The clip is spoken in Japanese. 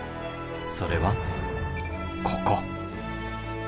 それはここ。